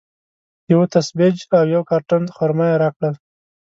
یوه تسبیج او یو کارټن خرما یې راکړل.